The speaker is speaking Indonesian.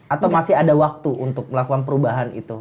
atau masih ada waktu untuk melakukan perubahan itu